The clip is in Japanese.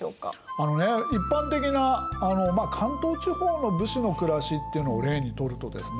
あのね一般的な関東地方の武士の暮らしっていうのを例にとるとですね